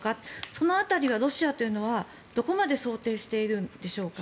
その辺りはロシアというのはどこまで想定しているんでしょうか？